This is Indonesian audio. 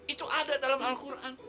itu ada dalam al quran